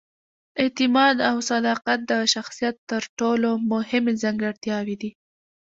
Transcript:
اعتماد او صداقت د شخصیت تر ټولو مهمې ځانګړتیاوې دي.